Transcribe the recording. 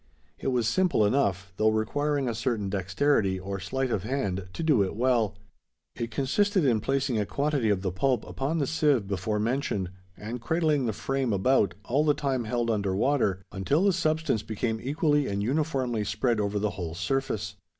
It was simple enough, though requiring a certain dexterity, or sleight of hand, to do it well. It consisted in placing a quantity of the pulp upon the sieve before mentioned; and cradling the frame about all the time held under water until the substance became equally and uniformly spread over the whole surface.